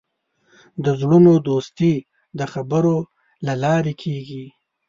د زړونو دوستي د خبرو له لارې کېږي.